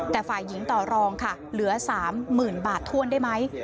แต่ฝ่ายหญิงต่อรองค่ะเหลือ๓๐๐๐บาทถ้วนได้ไหม